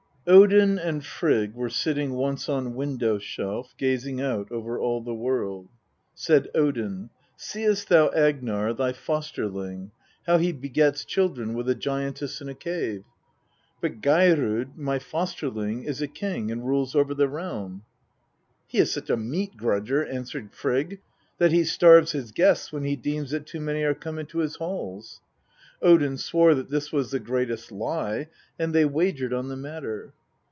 5 Odin and Frigg were sitting once on Window shelf, gazing out over all the world. Said Odin :" Seest thou Agnar, thy fosterling, how he begets children with a giantess in a cave ? But Geirrod, my fosterling, is a king, and rules over the realm." " He is such a meat grudger," answered Frigg, " that he starves his guests when he deems that too many are come into his halls'." Odin swore that this was the greatest lie, and they wagered on the matter.